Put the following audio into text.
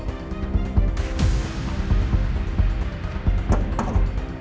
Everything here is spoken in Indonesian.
aku jadi penasaran deh